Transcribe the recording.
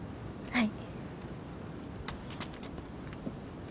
はい！